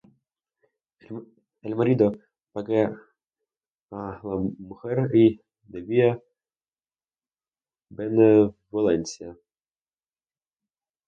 El marido pague á la mujer la debida benevolencia;